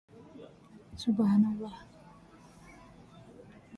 It must be preserved in its original harmonization.